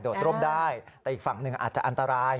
ร่มได้แต่อีกฝั่งหนึ่งอาจจะอันตราย